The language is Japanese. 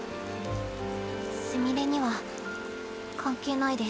すみれには関係ないデス。